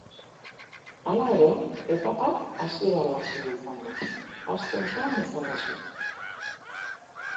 Hala ere, etapak hasiera lasaia izan du, aste osoan bezalaxe.